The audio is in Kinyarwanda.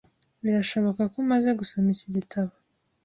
Birashoboka ko umaze gusoma iki gitabo.